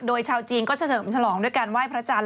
โดยชาวจริงก็เฉินมทรลองด้วยการว่ายพระจันทร์